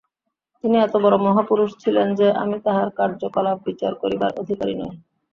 তিনি এত বড় মহাপুরুষ ছিলেন যে, আমি তাঁহার কার্যকলাপ বিচার করিবার অধিকারী নই।